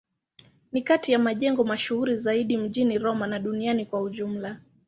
Ni kati ya majengo mashuhuri zaidi mjini Roma na duniani kwa ujumla.